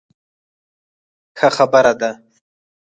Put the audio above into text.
ښه خبره ده.